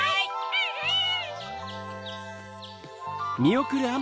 アンアン！